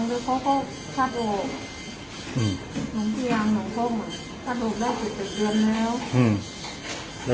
หรือเขาก็ข้าดอบอืมน้องพี่ยางน้องพ่อมาข้าดอบได้สิบสิบเยือนแล้วอืม